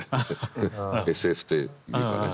ＳＦっていうかね。